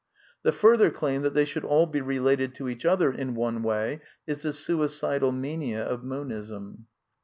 The further claim that they should all be related to each other in one way is the suicidal mania of Monism.